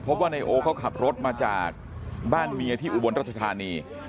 ว่านายโอเขาขับรถมาจากบ้านเมียที่อุบลรัชธานี